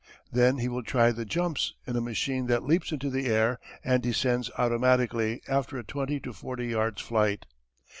Then he will try the "jumps" in a machine that leaps into the air and descends automatically after a twenty to forty yards' flight.